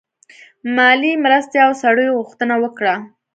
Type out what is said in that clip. مالي مرستو او سړیو غوښتنه وکړه.